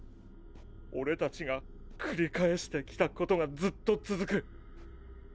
俺たちが繰り返してきたことがずっと続く。